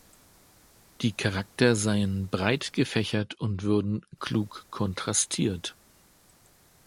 Die Charakter seien „breit gefächert“ und würden „klug kontrastiert“.